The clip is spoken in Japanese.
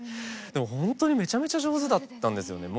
でもほんとにめちゃめちゃ上手だったんですよね。